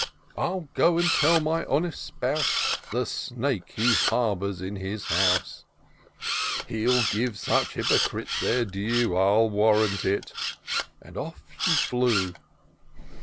I'll go and tell my honest spouse The snake he harbours in his house : He'll give such hypocrites their due, I'll warrant it ;" and off she flew.